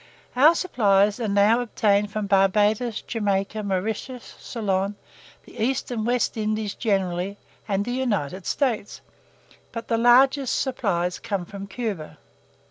Our supplies are now obtained from Barbadoes, Jamaica, Mauritius, Ceylon, the East and West Indies generally, and the United States; but the largest supplies come from Cuba.